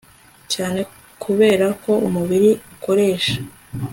cyane kubera ko umubiri ukoresha